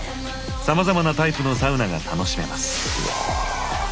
さまざまなタイプのサウナが楽しめます。